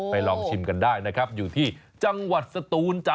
ลองชิมกันได้นะครับอยู่ที่จังหวัดสตูนจ้ะ